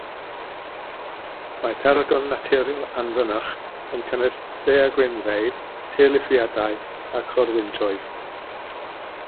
Mae peryglon naturiol anfynych yn cynnwys daeargrynfeydd, tirlithriadau a chorwyntoedd.